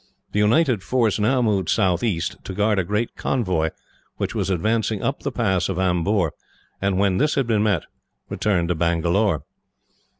The united force now moved southeast, to guard a great convoy which was advancing up the pass of Amboor; and, when this had been met, returned to Bangalore.